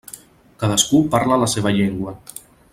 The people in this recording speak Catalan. Cadascú parla la seva llengua.